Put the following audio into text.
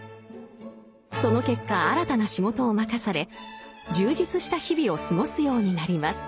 その結果新たな仕事を任され充実した日々を過ごすようになります。